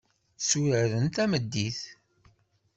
Tturaren tameddit.